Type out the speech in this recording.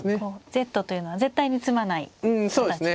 Ｚというのは絶対に詰まない形ですね。